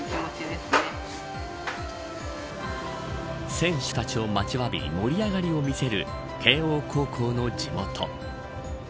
選手たちを待ちわび盛り上がりを見せる慶応高校の地元。